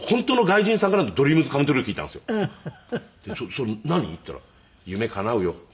「それ何？」って言ったら「夢かなうよ」って言って。